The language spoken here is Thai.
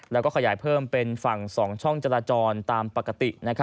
แล้วก็ขยายเพิ่มเป็นฝั่ง๒ช่องจราจรตามปกติ